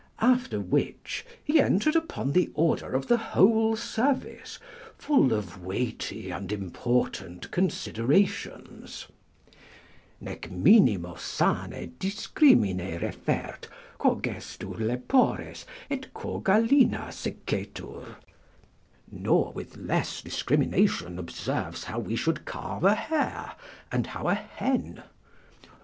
After which he entered upon the order of the whole service, full of weighty and important considerations: "Nec minimo sane discrimine refert, Quo gestu lepores, et quo gallina secetur;" ["Nor with less discrimination observes how we should carve a hare, and how a hen."